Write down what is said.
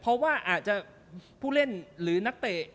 เพราะว่าและปุ้งเล่นนักเตะ